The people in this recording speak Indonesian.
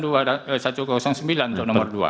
satu ratus sembilan untuk nomor dua